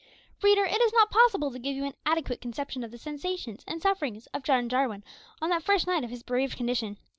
Reader, it is not possible to give you an adequate conception of the sensations and sufferings of John Jarwin on that first night of his bereaved condition.